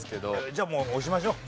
じゃあもう押しましょう。